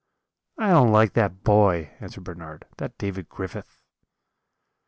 "'I don't like that boy,' answered Bernard; 'that David Griffith.'